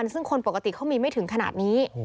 ซึ่งคนปกติเขามีไม่ถึงขนาดนี้